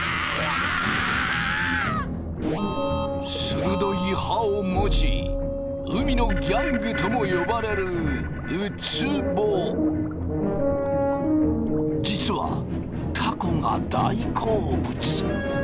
鋭い歯を持ち海のギャングとも呼ばれる実はたこが大好物。